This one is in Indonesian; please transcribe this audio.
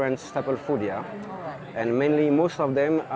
anda dapat menemukan satu ratus lima puluh makanan yang berbeda